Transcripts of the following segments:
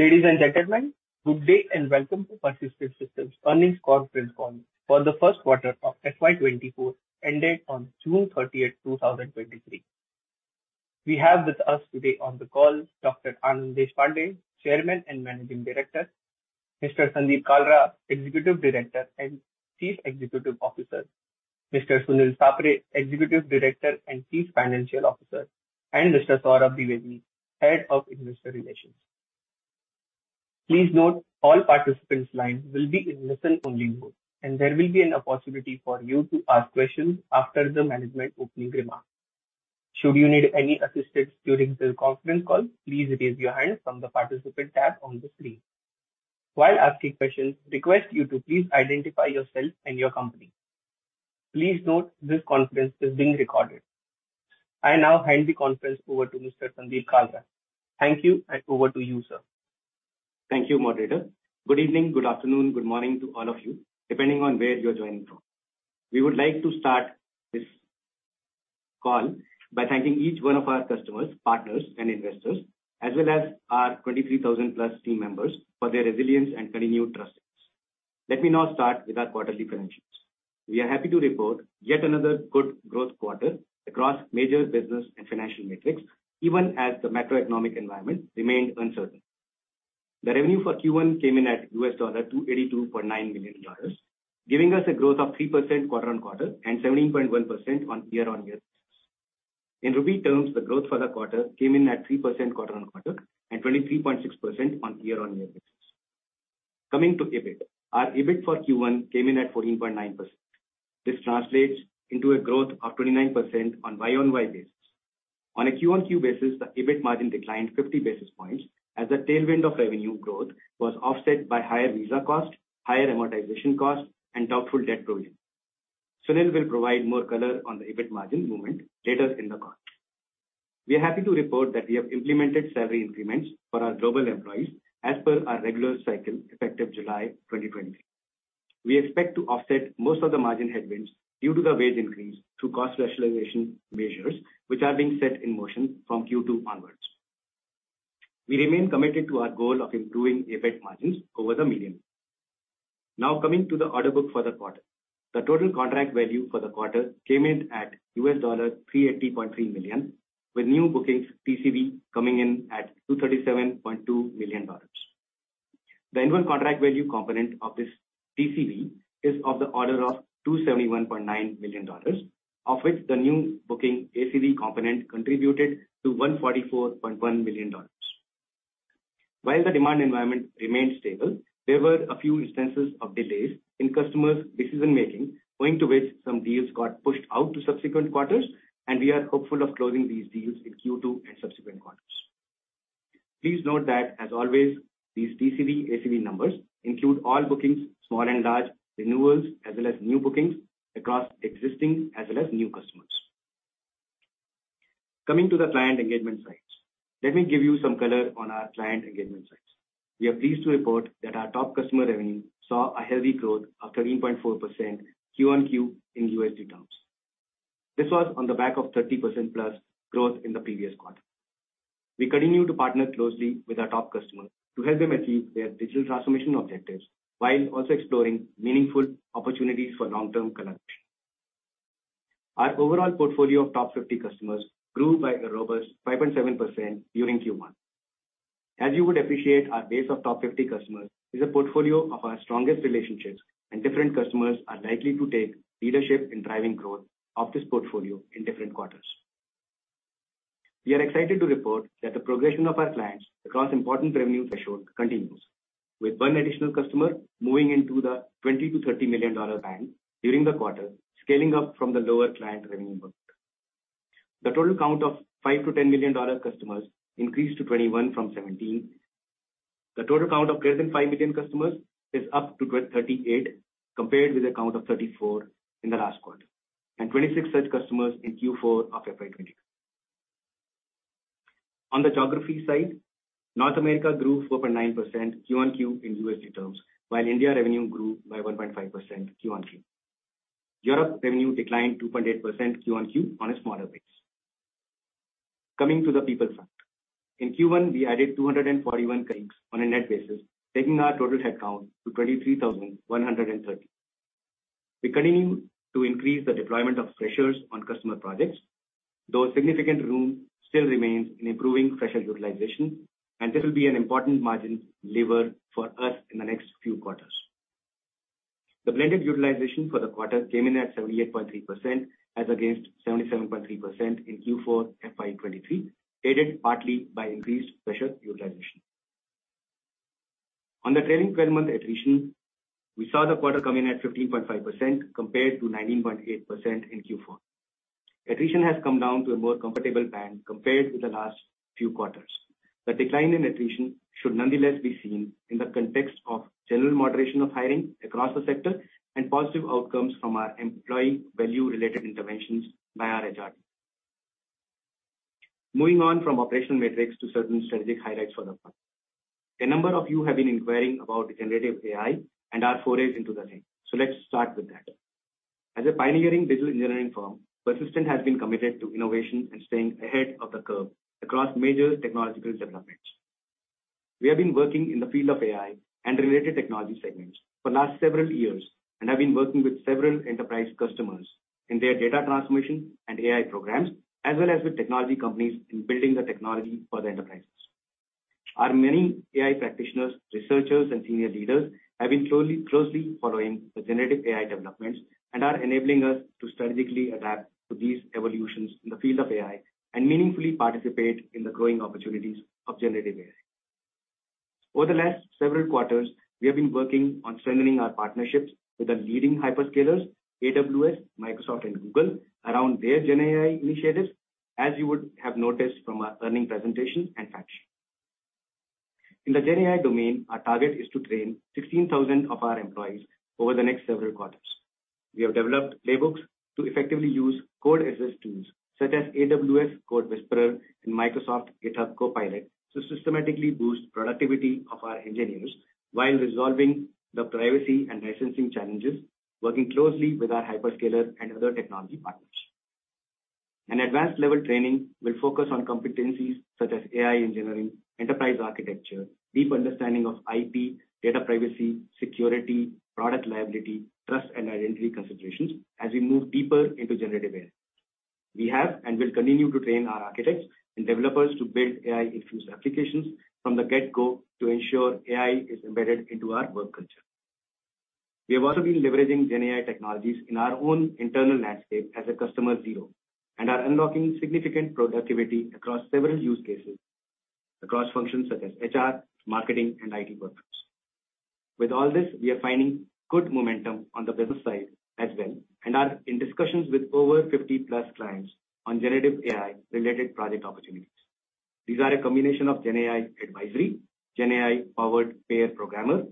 Sure. Ladies and gentlemen, good day, welcome to Persistent Systems Earnings Conference Call for the first quarter of FY 2024, ended on June thirtieth, 2023. We have with us today on the call, Dr. Anand Deshpande, Chairman and Managing Director. Mr. Sandeep Kalra, Executive Director and Chief Executive Officer. Mr. Sunil Sapre, Executive Director and Chief Financial Officer, and Mr. Saurabh Dwivedi, Head of Investor Relations. Please note all participants lines will be in listen-only mode, and there will be an opportunity for you to ask questions after the management opening remarks. Should you need any assistance during this conference call, please raise your hand from the Participant tab on the screen. While asking questions, request you to please identify yourself and your company. Please note this conference is being recorded. I now hand the conference over to Mr. Sandeep Kalra. Thank you, and over to you, sir. Thank you, moderator. Good evening, good afternoon, good morning to all of you, depending on where you're joining from. We would like to start this call by thanking each one of our customers, partners, and investors, as well as our 23,000+ team members for their resilience and continued trust in us. Let me now start with our quarterly financials. We are happy to report yet another good growth quarter across major business and financial metrics, even as the macroeconomic environment remained uncertain. The revenue for Q1 came in at $282.9 million, giving us a growth of 3% quarter-over-quarter and 17.1% year-over-year. In INR terms, the growth for the quarter came in at 3% quarter-over-quarter and 23.6% year-over-year basis. Coming to EBIT. Our EBIT for Q1 came in at 14.9%. This translates into a growth of 29% on year-over-year basis. On a quarter-over-quarter basis, the EBIT margin declined 50 basis points, as the tailwind of revenue growth was offset by higher visa costs, higher amortization costs, and doubtful debt provision. Sunil will provide more color on the EBIT margin movement later in the call. We are happy to report that we have implemented salary increments for our global employees as per our regular cycle, effective July 2023. We expect to offset most of the margin headwinds due to the wage increase through cost rationalization measures, which are being set in motion from Q2 onwards. We remain committed to our goal of improving EBIT margins over the medium. Coming to the order book for the quarter. The total contract value for the quarter came in at $380.3 million, with new bookings TCV coming in at $237.2 million. The annual contract value component of this TCV is of the order of $271.9 million, of which the new booking ACV component contributed to $144.1 million. While the demand environment remained stable, there were a few instances of delays in customers' decision-making, owing to which some deals got pushed out to subsequent quarters, and we are hopeful of closing these deals in Q2 and subsequent quarters. Please note that, as always, these TCV ACV numbers include all bookings, small and large, renewals, as well as new bookings across existing as well as new customers. Coming to the client engagement sides. Let me give you some color on our client engagement sides. We are pleased to report that our top customer revenue saw a healthy growth of 13.4% Q-on-Q in USD terms. This was on the back of 30%+ growth in the previous quarter. We continue to partner closely with our top customers to help them achieve their digital transformation objectives, while also exploring meaningful opportunities for long-term collaboration. Our overall portfolio of top 50 customers grew by a robust 5.7% during Q1. As you would appreciate, our base of top 50 customers is a portfolio of our strongest relationships, and different customers are likely to take leadership in driving growth of this portfolio in different quarters. We are excited to report that the progression of our clients across important revenue threshold continues, with one additional customer moving into the $20 million-$30 million band during the quarter, scaling up from the lower client revenue bucket. The total count of $5 million-$10 million customers increased to 21 from 17. The total count of greater than $5 million customers is up to 38, compared with a count of 34 in the last quarter, and 26 such customers in Q4 of FY 2023. On the geography side, North America grew 4.9% quarter-over-quarter in USD terms, while India revenue grew by 1.5% quarter-over-quarter. Europe revenue declined 2.8% quarter-over-quarter on a smaller base. Coming to the people front. In Q1, we added 241 colleagues on a net basis, taking our total headcount to 23,130. We continue to increase the deployment of freshers on customer projects, though significant room still remains in improving fresher utilization, and this will be an important margin lever for us in the next few quarters. The blended utilization for the quarter came in at 78.3%, as against 77.3% in Q4 FY23, aided partly by increased fresher utilization. On the trailing twelve-month attrition, we saw the quarter come in at 15.5%, compared to 19.8% in Q4. Attrition has come down to a more comfortable band compared with the last few quarters. The decline in attrition should nonetheless be seen in the context of general moderation of hiring across the sector and positive outcomes from our employee value-related interventions by our HR team. Moving on from operational metrics to certain strategic highlights for the quarter. A number of you have been inquiring about the generative AI and our forays into the same. Let's start with that. As a pioneering digital engineering firm, Persistent has been committed to innovation and staying ahead of the curve across major technological developments. We have been working in the field of AI and related technology segments for last several years, and have been working with several enterprise customers in their data transformation and AI programs, as well as with technology companies in building the technology for the enterprises. Our many AI practitioners, researchers, and senior leaders have been closely following the generative AI developments, and are enabling us to strategically adapt to these evolutions in the field of AI, and meaningfully participate in the growing opportunities of generative AI. Over the last several quarters, we have been working on strengthening our partnerships with the leading hyperscalers, AWS, Microsoft, and Google, around their GenAI initiatives, as you would have noticed from our earnings presentation and factsheet. In the GenAI domain, our target is to train 16,000 of our employees over the next several quarters. We have developed playbooks to effectively use code assist tools such as AWS CodeWhisperer and Microsoft GitHub Copilot, to systematically boost productivity of our engineers while resolving the privacy and licensing challenges, working closely with our hyperscalers and other technology partners. An advanced level training will focus on competencies such as AI engineering, enterprise architecture, deep understanding of IP, data privacy, security, product liability, trust and identity considerations as we move deeper into generative AI. We have and will continue to train our architects and developers to build AI-infused applications from the get-go to ensure AI is embedded into our work culture. We have also been leveraging GenAI technologies in our own internal landscape as a customer zero, and are unlocking significant productivity across several use cases, across functions such as HR, marketing, and IT workflows. With all this, we are finding good momentum on the business side as well, and are in discussions with over 50+ clients on generative AI-related project opportunities. These are a combination of GenAI advisory, GenAI-powered pair programmer,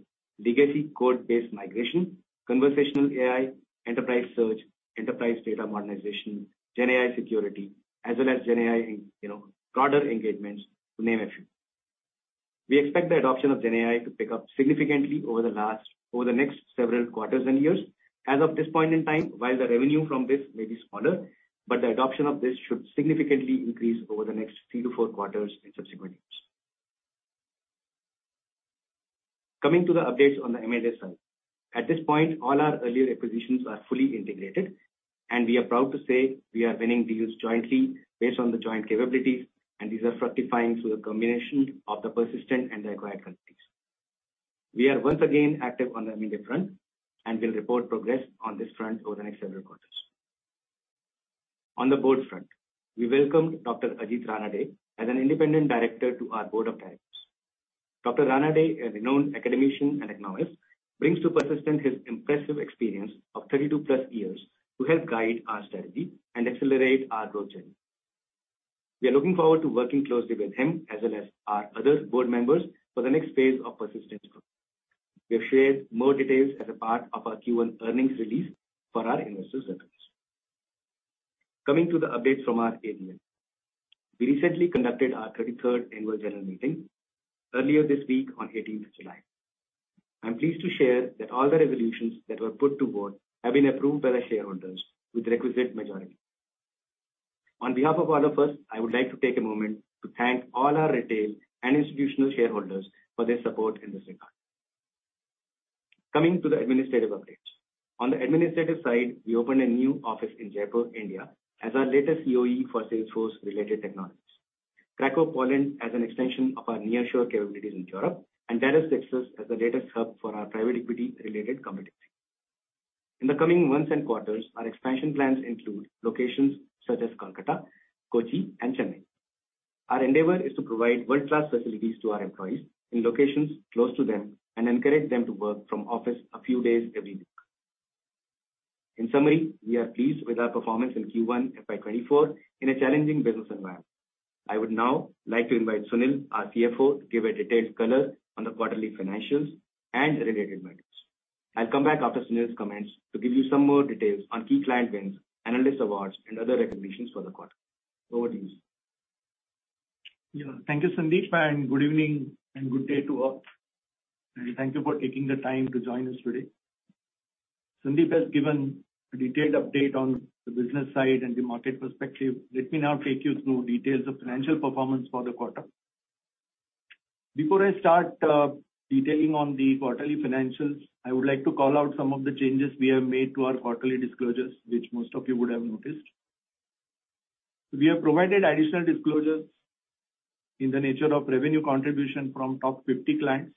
legacy code base migration, conversational AI, enterprise search, enterprise data modernization, GenAI security, as well as GenAI, you know, broader engagements, to name a few. We expect the adoption of GenAI to pick up significantly Over the next several quarters and years. As of this point in time, while the revenue from this may be smaller, but the adoption of this should significantly increase over the next three to four quarters in subsequent years. Coming to the updates on the M&A side. At this point, all our earlier acquisitions are fully integrated, and we are proud to say we are winning deals jointly based on the joint capabilities, and these are fructifying through the combination of the Persistent and the acquired companies. We are once again active on the M&A front, and will report progress on this front over the next several quarters. On the board front, we welcomed Dr. Ajit Ranade as an independent director to our board of directors. Dr. Ranade, a renowned academician and economist, brings to Persistent his impressive experience of 32+ years to help guide our strategy and accelerate our growth journey. We are looking forward to working closely with him as well as our other board members for the next phase of Persistent's growth. We have shared more details as a part of our Q1 earnings release for our investors reference. Coming to the updates from our AGM. We recently conducted our 33rd Annual General Meeting earlier this week on 18th July. I am pleased to share that all the resolutions that were put to vote have been approved by the shareholders with requisite majority. On behalf of all of us, I would like to take a moment to thank all our retail and institutional shareholders for their support in this regard. Coming to the administrative updates. On the administrative side, we opened a new office in Jaipur, India, as our latest CoE for Salesforce-related technologies. Krakow, Poland, as an extension of our nearshore capabilities in Europe, and Dallas, Texas, as the latest hub for our private equity-related competencies. In the coming months and quarters, our expansion plans include locations such as Kolkata, Kochi and Chennai. Our endeavor is to provide world-class facilities to our employees in locations close to them, and encourage them to work from office a few days every week. In summary, we are pleased with our performance in Q1 FY 2024 in a challenging business environment. I would now like to invite Sunil, our CFO, to give a detailed color on the quarterly financials and related matters. I'll come back after Sunil's comments to give you some more details on key client wins, analyst awards, and other recognitions for the quarter. Over to you. Yeah. Thank you, Sandeep, good evening and good day to all. Thank you for taking the time to join us today. Sandeep has given a detailed update on the business side and the market perspective. Let me now take you through details of financial performance for the quarter. Before I start detailing on the quarterly financials, I would like to call out some of the changes we have made to our quarterly disclosures, which most of you would have noticed. We have provided additional disclosures in the nature of revenue contribution from top 50 clients.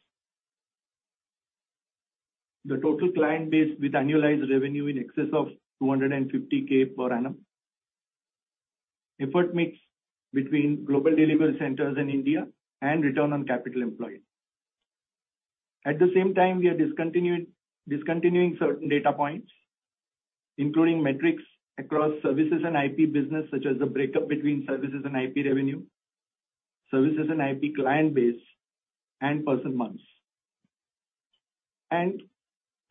The total client base with annualized revenue in excess of 250K per annum. Effort mix between global delivery centers in India, return on capital employed. At the same time, we are discontinuing certain data points, including metrics across services and IP business, such as the breakup between services and IP revenue, services and IP client base, and person-months.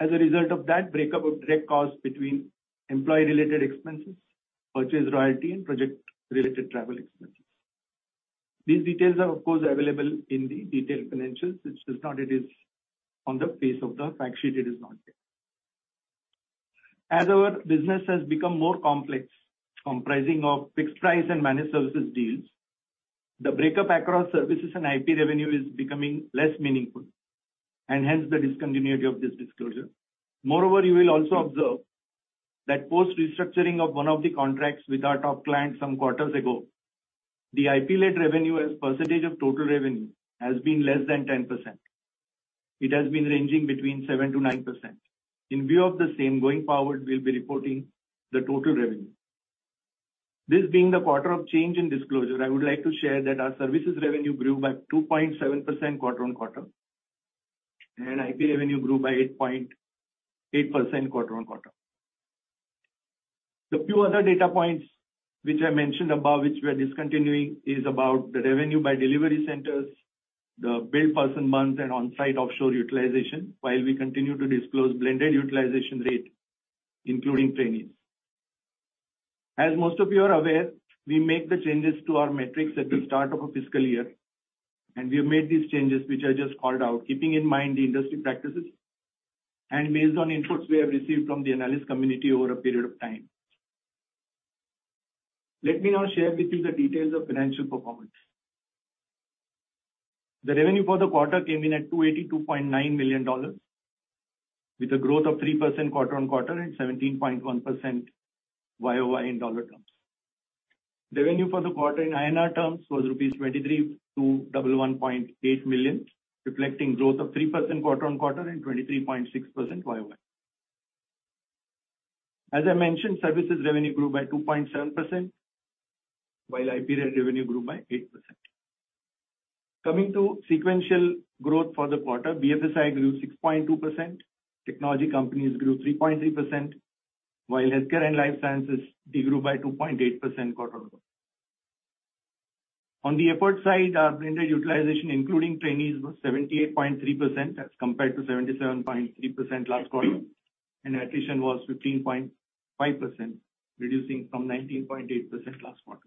As a result of that breakup of direct costs between employee-related expenses, purchase royalty, and project-related travel expenses. These details are, of course, available in the detailed financials, it is on the face of the fact sheet, it is not there. As our business has become more complex, comprising of fixed price and managed services deals, the breakup across services and IP revenue is becoming less meaningful, and hence the discontinuity of this disclosure. Moreover, you will also observe that post-restructuring of one of the contracts with our top client some quarters ago, the IP-led revenue as percentage of total revenue has been less than 10%. It has been ranging between 7%-9%. In view of the same, going forward, we'll be reporting the total revenue. This being the quarter of change in disclosure, I would like to share that our services revenue grew by 2.7% quarter-on-quarter, and IP revenue grew by 8.8% quarter-on-quarter. The few other data points which I mentioned above, which we are discontinuing, is about the revenue by delivery centers, the bill person months, and on-site offshore utilization, while we continue to disclose blended utilization rate, including trainees. As most of you are aware, we make the changes to our metrics at the start of a fiscal year, and we have made these changes, which I just called out, keeping in mind the industry practices and based on inputs we have received from the analyst community over a period of time. Let me now share with you the details of financial performance. The revenue for the quarter came in at $282.9 million, with a growth of 3% quarter-on-quarter and 17.1% year-over-year in dollar terms. Revenue for the quarter in INR terms was rupees 23 to double one point 8 million, reflecting growth of 3% quarter-on-quarter and 23.6% year-over-year. As I mentioned, services revenue grew by 2.7%, while IP-led revenue grew by 8%. Coming to sequential growth for the quarter, BFSI grew 6.2%, technology companies grew 3.3%, while Healthcare and Life Sciences de-grew by 2.8% quarter-on-quarter. On the effort side, our blended utilization, including trainees, was 78.3% as compared to 77.3% last quarter, and attrition was 15.5%, reducing from 19.8% last quarter.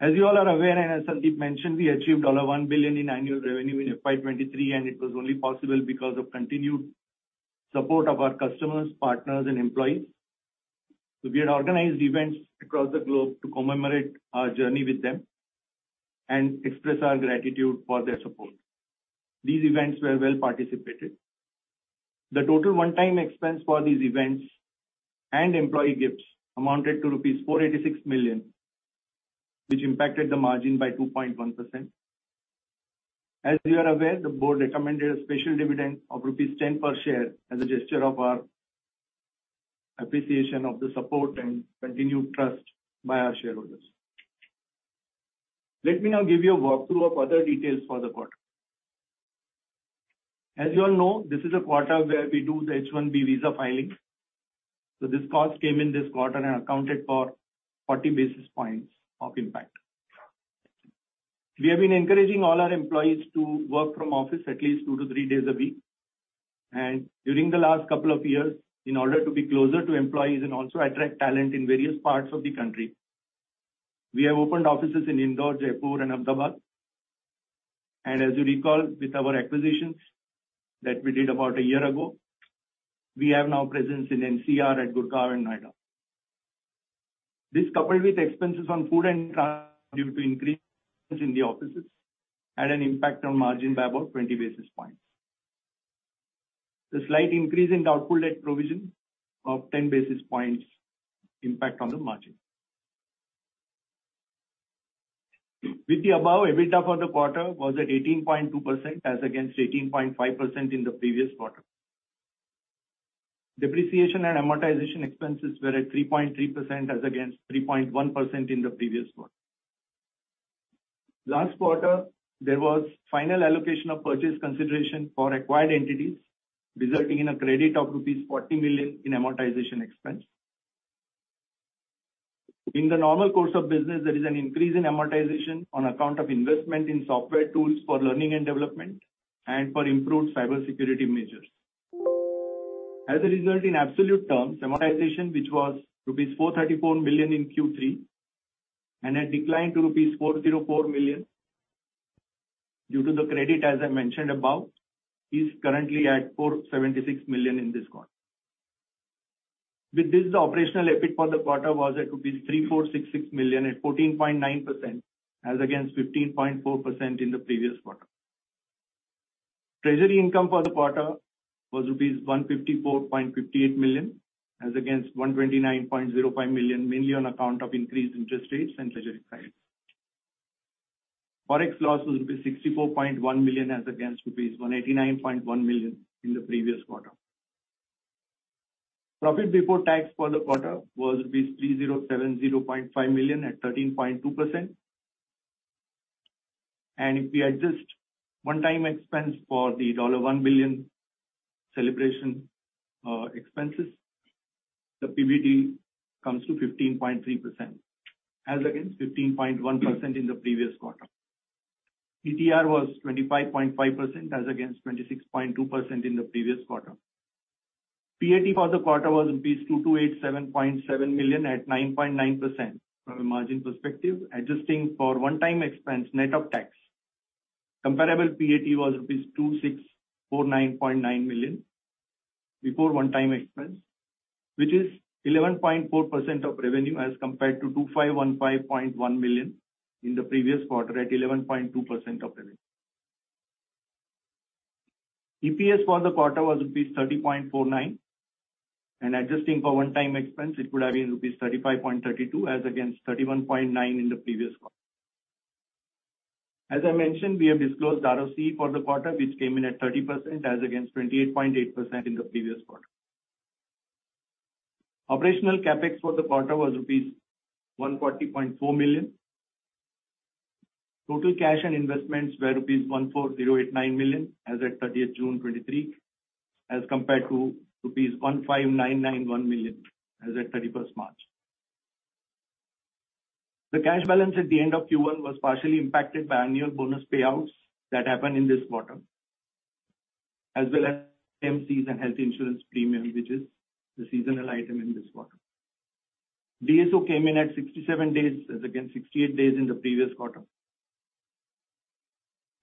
As you all are aware, and as Sandeep mentioned, we achieved $1 billion in annual revenue in FY23, and it was only possible because of continued support of our customers, partners and employees. We had organized events across the globe to commemorate our journey with them and express our gratitude for their support. These events were well-participated. The total one-time expense for these events and employee gifts amounted to rupees 486 million, which impacted the margin by 2.1%. As you are aware, the board recommended a special dividend of rupees 10 per share as a gesture of our appreciation of the support and continued trust by our shareholders. Let me now give you a walkthrough of other details for the quarter. As you all know, this is a quarter where we do the H-1B visa filing, so this cost came in this quarter and accounted for 40 basis points of impact. We have been encouraging all our employees to work from office at least 2 to 3 days a week, and during the last couple of years, in order to be closer to employees and also attract talent in various parts of the country, we have opened offices in Indore, Jaipur and Ahmedabad. As you recall, with our acquisitions that we did about a year ago, we have now presence in NCR at Gurgaon and Noida. This, coupled with expenses on food and due to increase in the offices, had an impact on margin by about 20 basis points. The slight increase in doubtful debt provision of 10 basis points impact on the margin. With the above, EBITDA for the quarter was at 18.2%, as against 18.5% in the previous quarter. Depreciation and amortization expenses were at 3.3%, as against 3.1% in the previous quarter. Last quarter, there was final allocation of purchase consideration for acquired entities, resulting in a credit of rupees 40 million in amortization expense. In the normal course of business, there is an increase in amortization on account of investment in software tools for learning and development and for improved cybersecurity measures. As a result, in absolute terms, amortization, which was rupees 434 billion in Q3 and had declined to rupees 404 million due to the credit, as I mentioned above, is currently at 476 million in this quarter. With this, the operational EBIT for the quarter was at rupees 3,466 million at 14.9%, as against 15.4% in the previous quarter. Treasury income for the quarter was rupees 154.58 million, as against 129.05 million, mainly on account of increased interest rates and treasury funds. Forex loss was rupees 64.1 million, as against rupees 189.1 million in the previous quarter. Profit before tax for the quarter was rupees 3,070.5 million at 13.2%. If we adjust one-time expense for the $1 billion celebration, the PBT comes to 15.3%, as against 15.1% in the previous quarter. CTR was 25.5%, as against 26.2% in the previous quarter. PAT for the quarter was rupees 2,287.7 million at 9.9% from a margin perspective, adjusting for one-time expense net of tax. Comparable PAT was rupees 2,649.9 million before one-time expense, which is 11.4% of revenue, as compared to 2,515.1 million in the previous quarter, at 11.2% of revenue. EPS for the quarter was rupees 30.49, adjusting for one-time expense, it would have been rupees 35.32, as against 31.9 in the previous quarter. As I mentioned, we have disclosed ROC for the quarter, which came in at 30%, as against 28.8% in the previous quarter. Operational CapEx for the quarter was rupees 140.4 million. Total cash and investments were rupees 14,089 million as at 30th June 2023, as compared to rupees 15,991 million as at 31st March. The cash balance at the end of Q1 was partially impacted by annual bonus payouts that happened in this quarter, as well as MCs and health insurance premium, which is the seasonal item in this quarter. DSO came in at 67 days, as against 68 days in the previous quarter.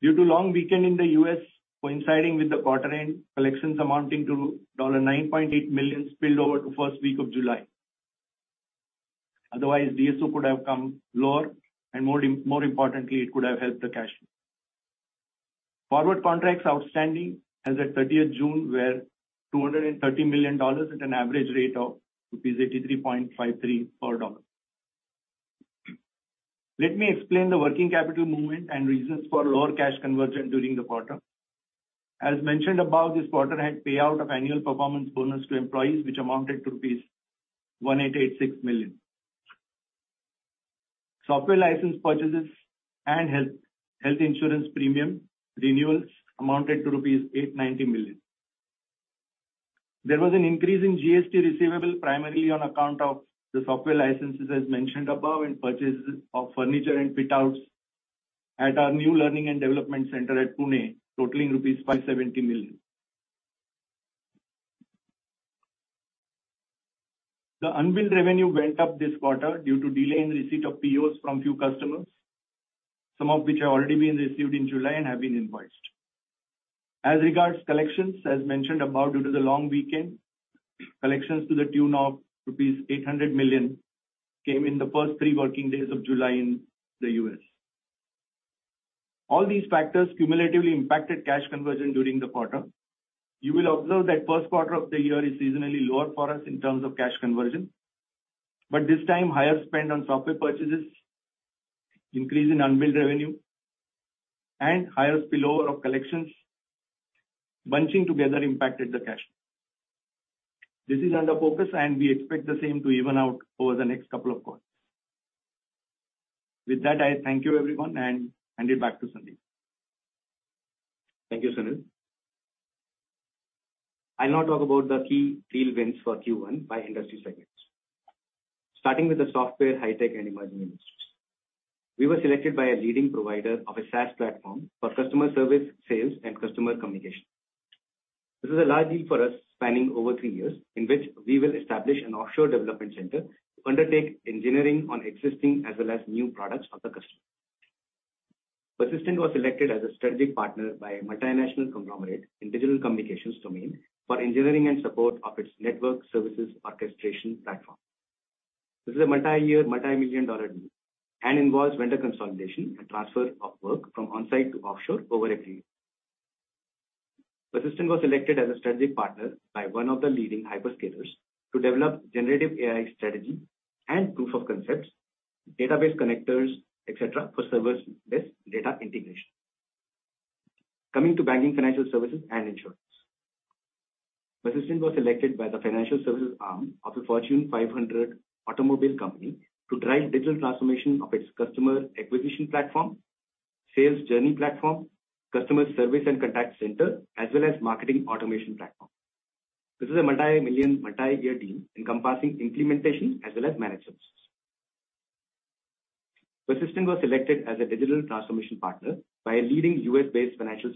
Due to long weekend in the US coinciding with the quarter end, collections amounting to $9.8 million spilled over to first week of July. Otherwise, DSO could have come lower, and more importantly, it could have helped the cash. Forward contracts outstanding as at 30th June were $230 million, at an average rate of rupees 83.53 per dollar. Let me explain the working capital movement and reasons for lower cash conversion during the quarter. As mentioned above, this quarter had payout of annual performance bonus to employees, which amounted to rupees 1,886 million. Software license purchases and health insurance premium renewals amounted to rupees 890 million. There was an increase in GST receivable, primarily on account of the software licenses as mentioned above, and purchases of furniture and fit outs at our new learning and development center at Pune, totaling rupees 570 million. The unbilled revenue went up this quarter due to delay in receipt of POs from few customers, some of which have already been received in July and have been invoiced. As regards collections, as mentioned above, due to the long weekend, collections to the tune of rupees 800 million came in the first three working days of July in the US. All these factors cumulatively impacted cash conversion during the quarter. You will observe that first quarter of the year is seasonally lower for us in terms of cash conversion, but this time, higher spend on software purchases, increase in unbilled revenue, and higher spillover of collections bunching together impacted the cash flow. This is under focus, and we expect the same to even out over the next couple of quarters. With that, I thank you, everyone, and hand it back to Sandeep. Thank you, Sunil. I'll now talk about the key deal wins for Q1 by industry segments. Starting with the software, high tech and emerging industries. We were selected by a leading provider of a SaaS platform for customer service, sales and customer communication. This is a large deal for us, spanning over 3 years, in which we will establish an offshore development center to undertake engineering on existing as well as new products for the customer. Persistent was selected as a strategic partner by a multinational conglomerate in digital communications domain for engineering and support of its network services orchestration platform. This is a multi-year, multi-million dollar deal and involves vendor consolidation and transfer of work from on-site to offshore over a period. Persistent was selected as a strategic partner by one of the leading hyperscalers to develop generative AI strategy and proof of concepts, database connectors, etc, for serverless data integration. Coming to banking, financial services, and insurance. Persistent was selected by the financial services arm of a Fortune 500 automobile company to drive digital transformation of its customer acquisition platform, sales journey platform, customer service and contact center, as well as marketing automation platform. This is a multi-million, multi-year deal encompassing implementation as well as managed services. Persistent was selected as a digital transformation partner by a leading US-based financial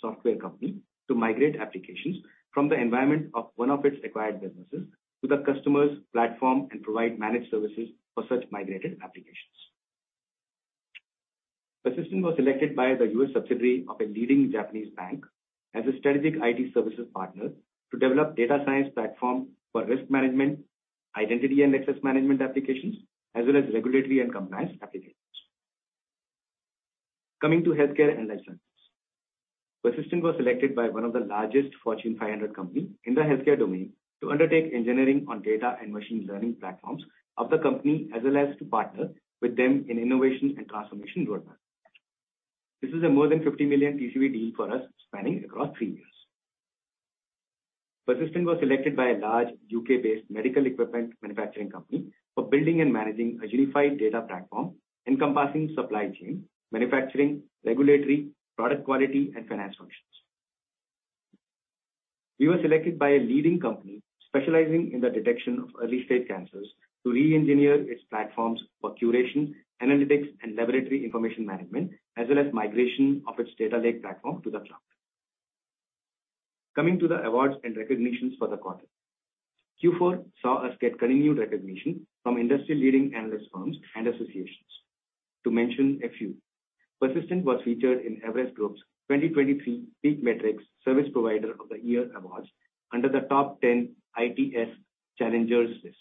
software company to migrate applications from the environment of one of its acquired businesses to the customer's platform and provide managed services for such migrated applications. Persistent was selected by the U.S. subsidiary of a leading Japanese bank as a strategic IT services partner to develop data science platform for risk management, identity and access management applications, as well as regulatory and compliance applications. Coming to healthcare and life sciences. Persistent was selected by one of the largest Fortune 500 company in the healthcare domain, to undertake engineering on data and machine learning platforms of the company, as well as to partner with them in innovation and transformation roadmap. This is a more than $50 million TCV deal for us, spanning across 3 years. Persistent was selected by a large U.K.-based medical equipment manufacturing company for building and managing a unified data platform encompassing supply chain, manufacturing, regulatory, product quality, and finance functions. We were selected by a leading company specializing in the detection of early-stage cancers, to re-engineer its platforms for curation, analytics, and laboratory information management, as well as migration of its data lake platform to the cloud. Coming to the awards and recognitions for the quarter. Q4 saw us get continued recognition from industry-leading analyst firms and associations. To mention a few. Persistent was featured in Everest Group's 2023 PEAK Matrix Service Provider of the Year awards under the top 10 ITS challengers list.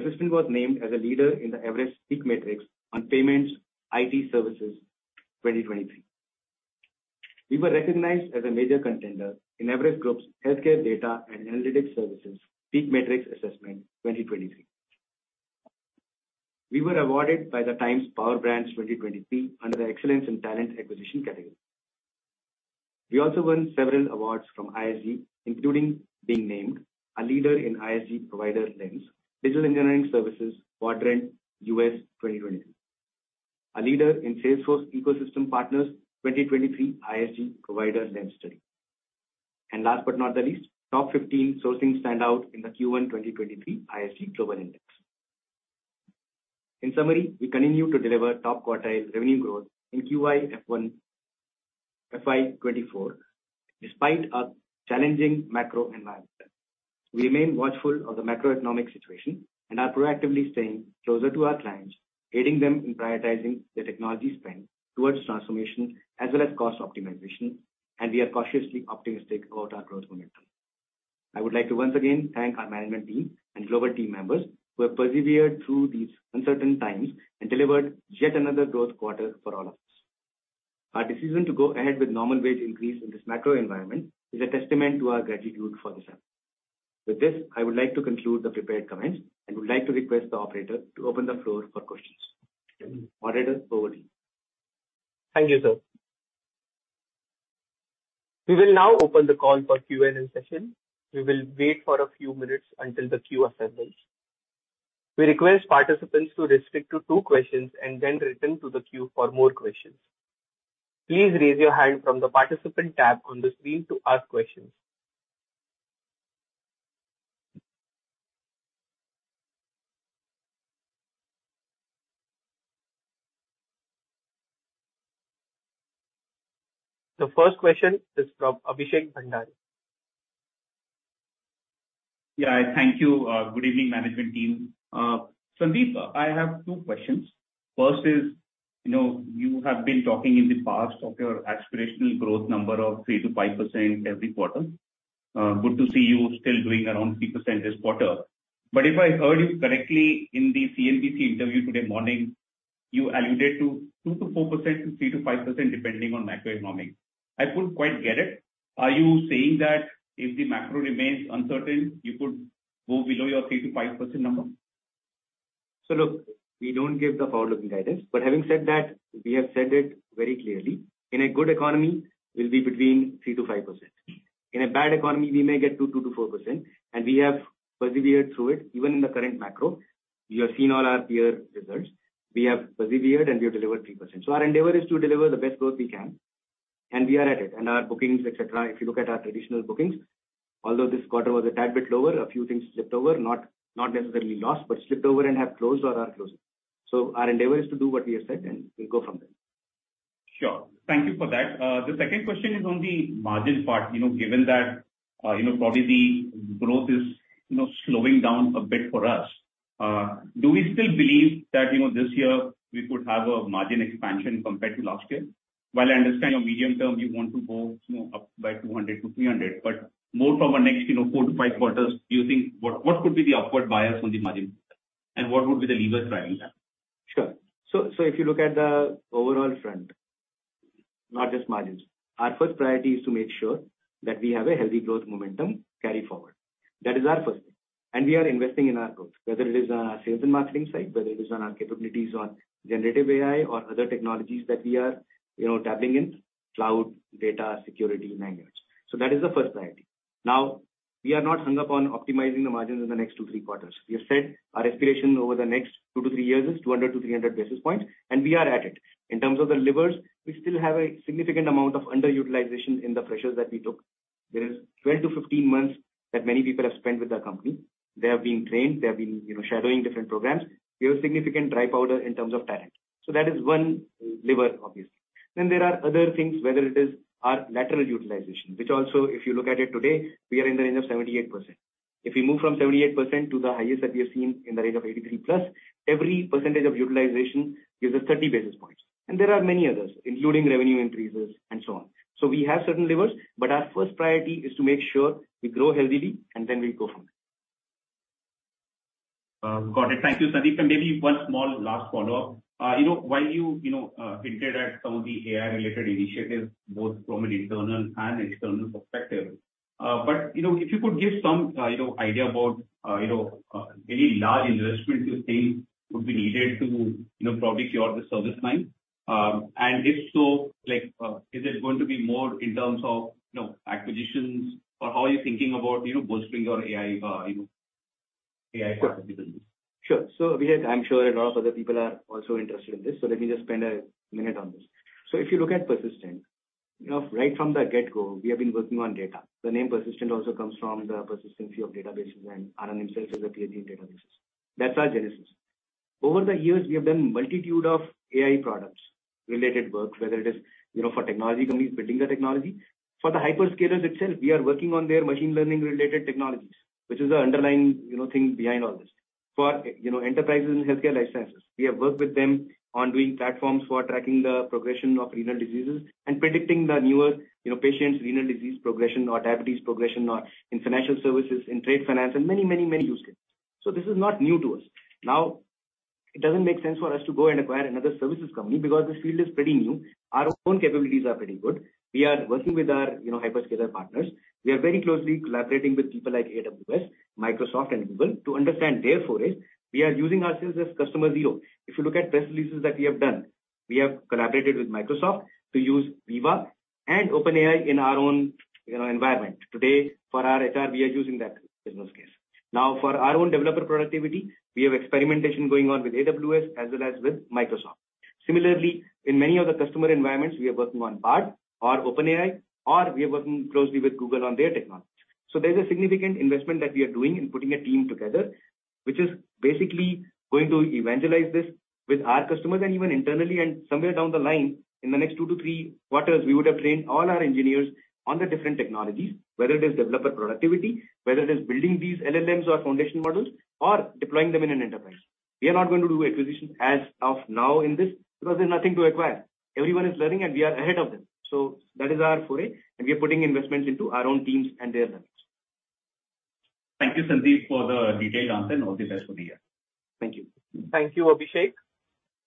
Persistent was named as a leader in the Everest PEAK Matrix on Payments IT Services 2023. We were recognized as a major contender in Everest Group's Healthcare Data and Analytics Services PEAK Matrix Assessment 2023. We were awarded by the Times Power Brands 2023 under the Excellence in Talent Acquisition category. We also won several awards from ISG, including being named a leader in ISG Provider Lens, Digital Engineering Services Quadrant U.S. 2023. A leader in Salesforce Ecosystem Partners 2023 ISG Provider Lens study. Last but not the least, top 15 sourcing standout in the Q1 2023 ISG Global Index. In summary, we continue to deliver top quartile revenue growth in FY 2024, despite a challenging macro environment. We remain watchful of the macroeconomic situation and are proactively staying closer to our clients, aiding them in prioritizing their technology spend towards transformation as well as cost optimization, and we are cautiously optimistic about our growth momentum. I would like to once again thank our management team and global team members, who have persevered through these uncertain times and delivered yet another growth quarter for all of us. Our decision to go ahead with normal wage increase in this macro environment is a testament to our gratitude for the same. With this, I would like to conclude the prepared comments, and would like to request the operator to open the floor for questions. Operator, over to you. Thank you, sir. We will now open the call for Q&A session. We will wait for a few minutes until the queue assembles. We request participants to restrict to two questions and then return to the queue for more questions. Please raise your hand from the Participant tab on the screen to ask questions. The first question is from Abhishek Bhandari. Yeah, thank you. good evening, management team. Sandeep, I have two questions. First is, you know, you have been talking in the past of your aspirational growth number of 3%-5% every quarter. good to see you still doing around 3% this quarter. If I heard you correctly in the CNBC interview today morning, you alluded to 2%-4%, to 3%-5%, depending on macroeconomic. I couldn't quite get it. Are you saying that if the macro remains uncertain, you could go below your 3%-5% number? Look, we don't give the forward-looking guidance. Having said that, we have said it very clearly, in a good economy, we'll be between 3%-5%. In a bad economy, we may get to 2%-4%, and we have persevered through it. Even in the current macro, you have seen all our peer results. We have persevered, and we have delivered 3%. Our endeavor is to deliver the best growth we can, and we are at it. Our bookings, etc, if you look at our traditional bookings, although this quarter was a tad bit lower, a few things slipped over, not necessarily lost, but slipped over and have closed or are closing. Our endeavor is to do what we have said, and we'll go from there. Sure. Thank you for that. The second question is on the margin part. You know, given that, you know, probably the growth is, you know, slowing down a bit for us, do we still believe that, you know, this year we could have a margin expansion compared to last year? While I understand your medium term, you want to go, you know, up by 200-300, but more from a next, you know, 4-5 quarters, do you think? What could be the upward bias on the margin? What would be the levers driving that? If you look at the overall front, not just margins, our first priority is to make sure that we have a healthy growth momentum carry forward. That is our first thing. We are investing in our growth, whether it is on our sales and marketing side, whether it is on our capabilities on generative AI or other technologies that we are, you know, dabbling in, cloud, data, security, nine years. That is the first priority. We are not hung up on optimizing the margins in the next two, three quarters. We have said our aspiration over the next two to three years is 200 to 300 basis points, and we are at it. In terms of the levers, we still have a significant amount of underutilization in the pressures that we took. There is 12-15 months that many people have spent with our company. They have been trained, they have been, you know, shadowing different programs. We have significant dry powder in terms of talent. That is one lever, obviously. There are other things, whether it is our lateral utilization, which also, if you look at it today, we are in the range of 78%. If we move from 78% to the highest that we have seen in the range of 83+, every percentage of utilization gives us 30 basis points. There are many others, including revenue increases and so on. We have certain levers, but our first priority is to make sure we grow healthily, and then we'll go from there. Got it. Thank you, Sandeep. Maybe one small last follow-up. You know, while you know, hinted at some of the AI-related initiatives, both from an internal and external perspective. You know, if you could give some, you know, idea about, you know, any large investments you think would be needed to, you know, probably cure the service line? If so, like, is it going to be more in terms of, you know, acquisitions, or how are you thinking about, you know, bolstering your AI, you know, portfolio? Sure. Abhishek, I'm sure a lot of other people are also interested in this, let me just spend a minute on this. If you look at Persistent, you know, right from the get-go, we have been working on data. The name Persistent also comes from the persistency of databases, and R&M itself is a PhD in databases. That's our genesis. Over the years, we have done multitude of AI products related work, whether it is, you know, for technology companies building the technology. For the hyperscalers itself, we are working on their machine learning related technologies, which is the underlying, you know, thing behind all this. For, you know, enterprises and healthcare licenses, we have worked with them on doing platforms for tracking the progression of renal diseases and predicting the newer, you know, patients renal disease progression or diabetes progression, or in financial services, in trade finance, and many, many, many use cases. This is not new to us. It doesn't make sense for us to go and acquire another services company because this field is pretty new. Our own capabilities are pretty good. We are working with our, you know, hyperscaler partners. We are very closely collaborating with people like AWS, Microsoft and Google to understand their foray. We are using ourselves as customer zero. If you look at press releases that we have done, we have collaborated with Microsoft to use Viva and OpenAI in our own, you know, environment. Today, for our HR, we are using that business case. Now, for our own developer productivity, we have experimentation going on with AWS as well as with Microsoft. Similarly, in many of the customer environments, we are working on Bard or OpenAI, or we are working closely with Google on their technology. There's a significant investment that we are doing in putting a team together, which is basically going to evangelize this with our customers and even internally. Somewhere down the line, in the next 2 to 3 quarters, we would have trained all our engineers on the different technologies, whether it is developer productivity, whether it is building these LLMs or foundation models, or deploying them in an enterprise. We are not going to do acquisitions as of now in this because there's nothing to acquire. Everyone is learning, and we are ahead of them. That is our foray, and we are putting investments into our own teams and their learning. Thank you, Sandeep, for the detailed answer, and all the best for the year. Thank you. Thank you, Abhishek.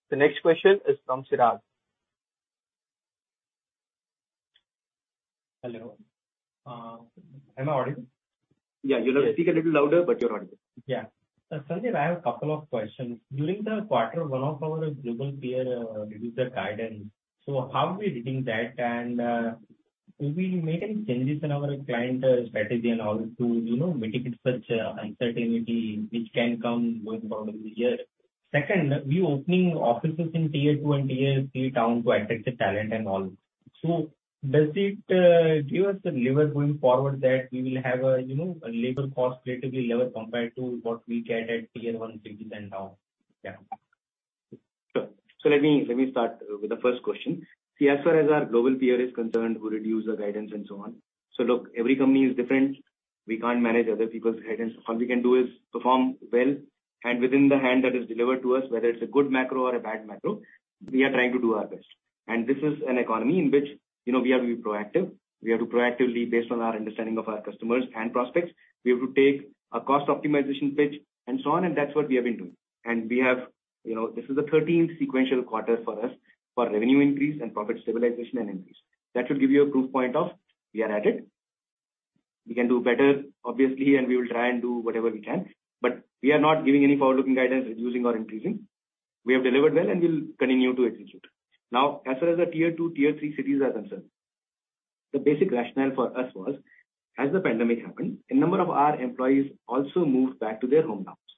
The next question is from Siraj. Hello. Am I audible? You know, speak a little louder, but you're audible. Yeah. Sandeep, I have a couple of questions. During the quarter, one of our global peer reduced their guidance. How are we reading that? Have we made any changes in our client strategy and all to, you know, mitigate such uncertainty which can come going forward in the year? Second, we're opening offices in tier two and tier three town to attract the talent and all. Does it give us a lever going forward that we will have a, you know, a labor cost relatively lower compared to what we get at tier one cities and town? Yeah. Sure. Let me start with the first question. As far as our global peer is concerned, who reduced the guidance and so on. Look, every company is different. We can't manage other people's guidance. All we can do is perform well and within the hand that is delivered to us, whether it's a good macro or a bad macro, we are trying to do our best. This is an economy in which, you know, we have to be proactive. We have to proactively, based on our understanding of our customers and prospects, we have to take a cost optimization pitch and so on, and that's what we have been doing. You know, this is the 13th sequential quarter for us for revenue increase and profit stabilization and increase. That should give you a proof point of we are at it. We can do better, obviously, and we will try and do whatever we can, but we are not giving any forward-looking guidance, reducing or increasing. We have delivered well, and we'll continue to execute. As far as the tier two, tier three cities are concerned, the basic rationale for us was, as the pandemic happened, a number of our employees also moved back to their hometowns,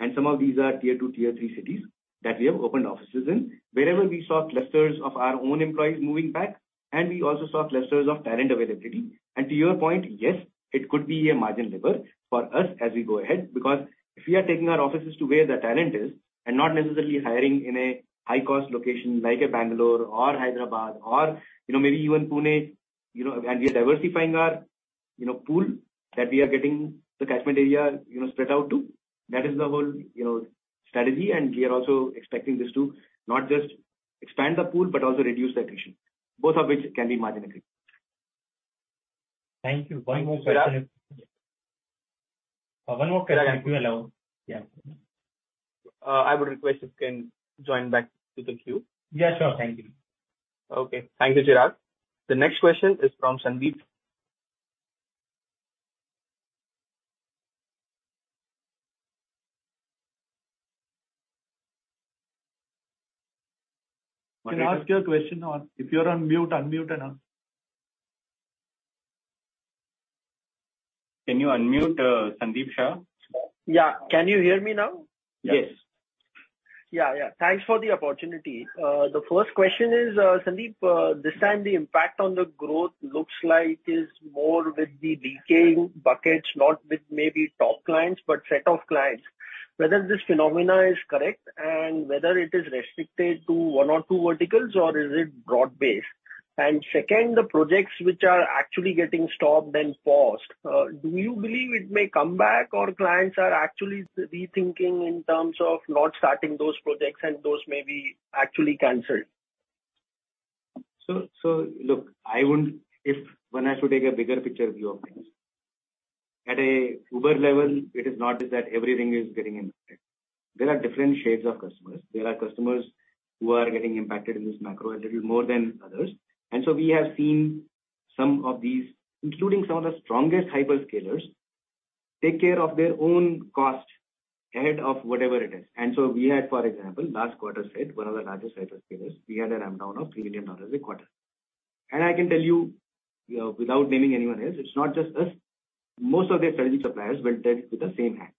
and some of these are tier two, tier three cities that we have opened offices in. Wherever we saw clusters of our own employees moving back, and we also saw clusters of talent availability. To your point, yes, it could be a margin lever for us as we go ahead, because if we are taking our offices to where the talent is and not necessarily hiring in a high-cost location like a Bangalore or Hyderabad or, you know, maybe even Pune, you know, and we are diversifying our, you know, pool that we are getting the catchment area, you know, spread out to, that is the whole, you know, strategy. We are also expecting this to not just expand the pool, but also reduce the attrition, both of which can be margin accretive. Thank you. One more question. Siraj. One more question, if you allow. Yeah. I would request you can join back to the queue. Yeah, sure. Thank you. Okay. Thank you, Siraj. The next question is from Sandeep. Can I ask you a question, or if you're on mute, unmute and ask. Can you unmute, Sandeep Shah? Yeah. Can you hear me now? Yes. Yeah, yeah. Thanks for the opportunity. The first question is, Sandeep, this time the impact on the growth looks like is more with the decaying buckets, not with maybe top clients, but set of clients. Whether this phenomena is correct and whether it is restricted to one or two verticals, or is it broad-based? Second, the projects which are actually getting stopped and paused, do you believe it may come back, or clients are actually rethinking in terms of not starting those projects and those may be actually canceled? Look, if one has to take a bigger picture view of things, at a uber level, it is not that everything is getting impacted. There are different shades of customers. There are customers who are getting impacted in this macro a little more than others, we have seen some of these, including some of the strongest hyperscalers, take care of their own cost ahead of whatever it is. We had, for example, last quarter said one of the largest hyperscalers, we had a ramp down of $3 million a quarter. I can tell you, without naming anyone else, it's not just us. Most of their strategic suppliers went with the same hand.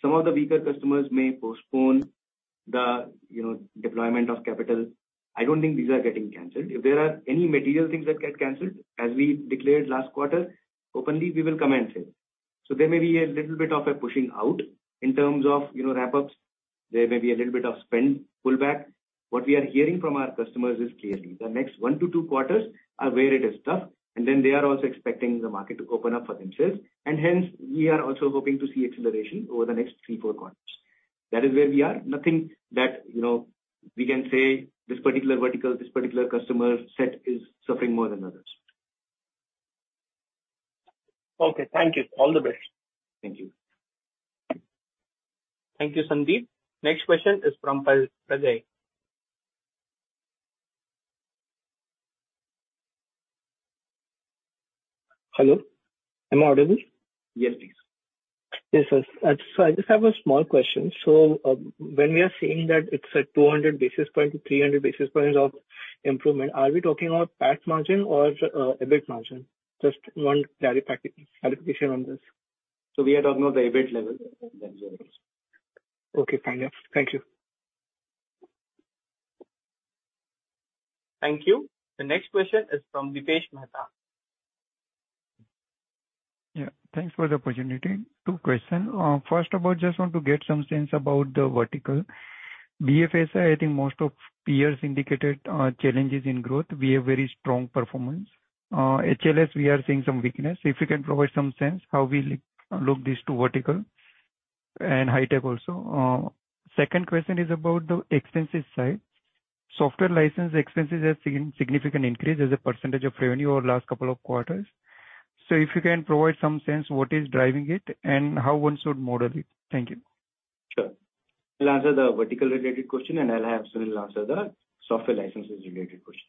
Some of the weaker customers may postpone the, you know, deployment of capital. I don't think these are getting canceled. If there are any material things that get canceled, as we declared last quarter, openly, we will come and say. There may be a little bit of a pushing out in terms of, you know, wrap-ups. There may be a little bit of spend pullback. What we are hearing from our customers is clearly, the next 1-2 quarters are where it is tough, and then they are also expecting the market to open up for themselves, and hence we are also hoping to see acceleration over the next 3-4 quarters. That is where we are. Nothing that, you know, we can say this particular vertical, this particular customer set is suffering more than others. Okay, thank you. All the best. Thank you. Thank you, Sandeep. Next question is from Prajaj. Hello, am I audible? Yes, please. Yes, sir. I just have a small question. When we are saying that it's a 200 basis point to 300 basis points of improvement, are we talking about PAT margin or EBIT margin? Just one clarification on this. We are talking about the EBIT level. Okay, fine. Thank you. Thank you. The next question is from Dipesh Mehta. Yeah, thanks for the opportunity. 2 question. First of all, just want to get some sense about the vertical. BFSI, I think most of peers indicated, challenges in growth. We have very strong performance. HLS, we are seeing some weakness. If you can provide some sense, how we look these 2 vertical, and high tech also. Second question is about the expenses side. Software license expenses have seen significant increase as a % of revenue over the last couple of quarters. If you can provide some sense, what is driving it and how one should model it? Thank you. Sure. I'll answer the vertical-related question, and I'll have Sunil answer the software licenses-related question.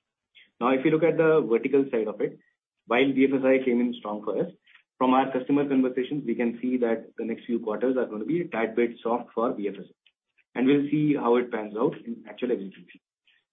If you look at the vertical side of it, while BFSI came in strong for us, from our customer conversations, we can see that the next few quarters are going to be a tad bit soft for BFSI. We'll see how it pans out in actual execution.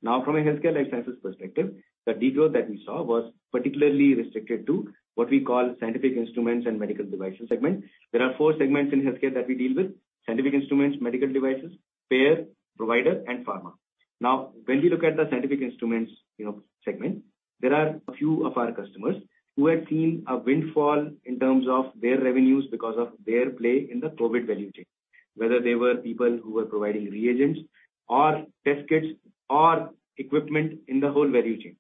From a healthcare licenses perspective, the de-growth that we saw was particularly restricted to what we call scientific instruments and medical devices segment. There are four segments in healthcare that we deal with: scientific instruments, medical devices, payer, provider, and pharma. When we look at the scientific instruments, you know, segment, there are a few of our customers who had seen a windfall in terms of their revenues because of their play in the COVID value chain. Whether they were people who were providing reagents or test kits or equipment in the whole value chain.